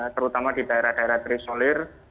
terutama di daerah daerah terisolir